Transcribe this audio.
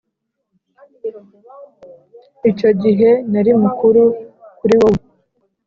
icyo gihe nari mukuru kuri wowe.